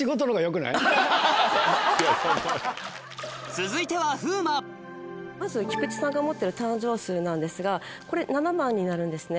続いてはまず菊池さんが持ってる誕生数なんですがこれ７番になるんですね。